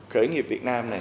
khởi nghiệp việt nam này